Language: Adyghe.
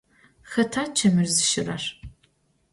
Xeta çemır zışırer?